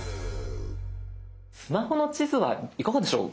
スマホの地図はいかがでしょう？